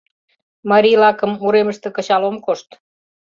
Марийлакым уремыште кычал ом кошт...